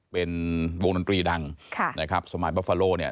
เป็นวงดนตรีดังนะครับสมัยบาฟาโฟโลเนี่ย